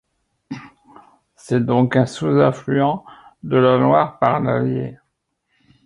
C’est donc un sous-affluent de la Loire par l’Allier.